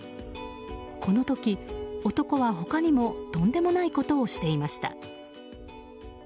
この時、男は他にもとんでもないことをしていました。